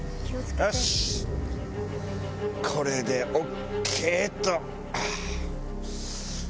よし、これでＯＫっと。